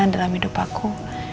dalam hidup aku